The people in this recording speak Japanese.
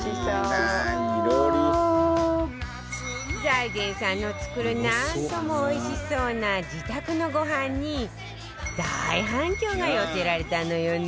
財前さんの作るなんとも美味しそうな自宅のごはんに大反響が寄せられたのよね！